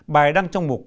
bài đăng trong mục